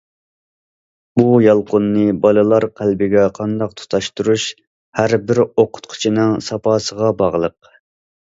بۇ يالقۇننى بالىلار قەلبىگە قانداق تۇتاشتۇرۇش ھەر بىر ئوقۇتقۇچىنىڭ ساپاسىغا باغلىق.